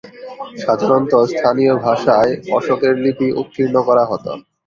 সাধারণত স্থানীয় ভাষায় অশোকের লিপি উৎকীর্ণ করা হতো।